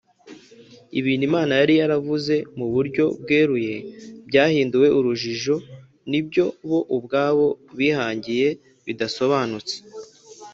ibintu imana yari yaravuze mu buryo bweruye byahinduwe urujijo n’ibyo bo ubwabo bihangiye bidasobanutse